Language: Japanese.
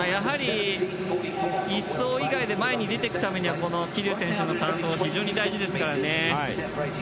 １走以外で前に出るにはこの桐生選手の３走非常に大事ですからね。